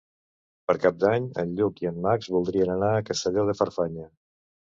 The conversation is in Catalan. Per Cap d'Any en Lluc i en Max voldrien anar a Castelló de Farfanya.